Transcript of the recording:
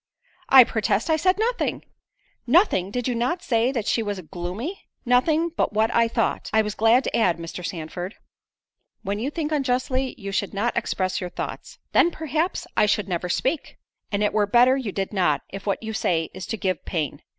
I protest I said nothing——" "Nothing! Did not you say that she was gloomy?" "Nothing but what I thought—I was going to add, Mr. Sandford." "When you think unjustly, you should not express your thoughts." "Then, perhaps, I should never speak." "And it were better you did not, if what you say is to give pain.